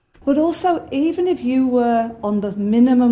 tapi juga meskipun anda berada di wajah minimum